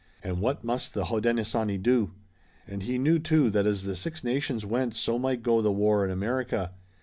And what must the Hodenosaunee do? And he knew, too, that as the Six Nations went so might go the war in America.